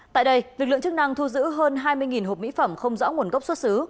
tại đây lực lượng chức năng thu giữ hơn hai mươi hộp mỹ phẩm không rõ nguồn gốc xuất xứ